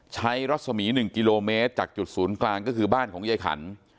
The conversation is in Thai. รัศมี๑กิโลเมตรจากจุดศูนย์กลางก็คือบ้านของยายขัน